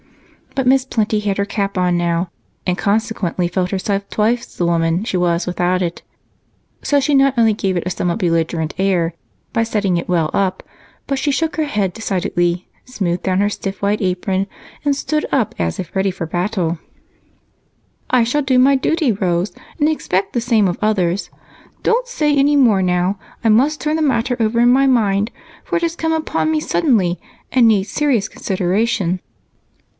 But Miss Plenty had her cap on now and consequently felt herself twice the woman she was without it, so she not only gave it a somewhat belligerent air by setting it well up, but she shook her head decidedly, smoothed down her stiff white apron, and stood up as if ready for battle. "I shall do my duty, Rose, and expect the same of others. Don't say any more now I must turn the matter over in my mind, for it has come upon me suddenly and needs serious consideration."